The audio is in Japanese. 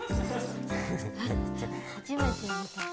初めて見た。